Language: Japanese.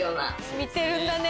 見てるんだね。